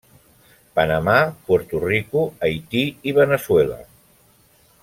Panamà, Puerto Rico, Haití i Veneçuela.